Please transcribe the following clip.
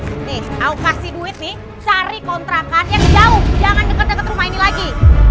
ini kasih duit nih cari kontrakan yang jauh jangan deket deket rumah ini lagi